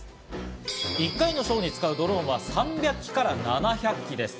１回のショーに使うドローンは３００機から７００機です。